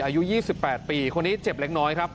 อายุ๒๘ปีคนนี้เจ็บเล็กน้อยครับ